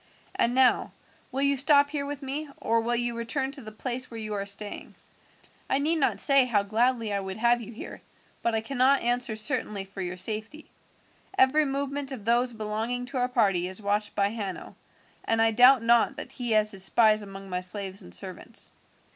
And now, will you stop here with me, or will you return to the place where you are staying? I need not say how gladly I would have you here, but I cannot answer certainly for your safety. Every movement of those belonging to our party is watched by Hanno, and I doubt not that he has his spies among my slaves and servants.